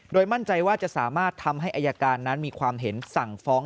มั่นใจว่าจะสามารถทำให้อายการนั้นมีความเห็นสั่งฟ้อง